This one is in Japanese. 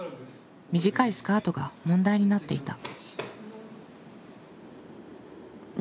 短いスカートが問題になっていた。